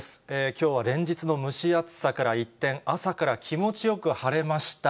きょうは連日の蒸し暑さから一転、朝から気持ちよく晴れました。